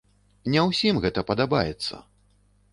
Не ўсім гэта падабаецца.